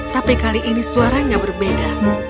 tapi kali ini suaranya berbeda